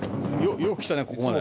よく来たねここまで。